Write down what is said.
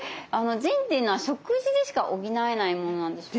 腎っていうのは食事でしか補えないものなんでしょうか？